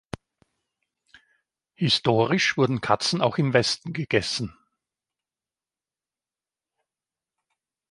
Historisch wurden Katzen auch im Westen gegessen.